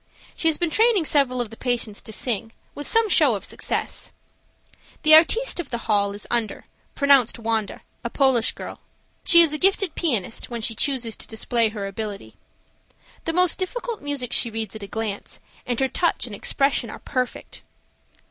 She has been training several of the patients to sing, with some show of success. The artiste of the hall is Under, pronounced Wanda, a Polish girl. She is a gifted pianist when she chooses to display her ability. The most difficult music she reads at a glance, and her touch and expression are perfect.